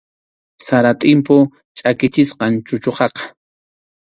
Sara tʼimpu chʼakichisqam chuchuqaqa.